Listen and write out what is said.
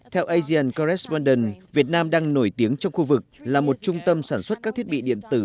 theo asean correspondents việt nam đang nổi tiếng trong khu vực là một trung tâm sản xuất các thiết bị điện tử